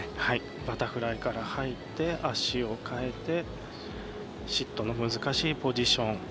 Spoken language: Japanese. バタフライから入って足を換えてシットの難しいポジション。